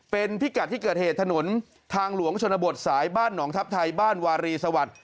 เป็นพิกัดที่เกิดเหตุถนนทางหลวงชนบทสายบ้านหนองทัพไทยบ้านวารีสวัสดิ์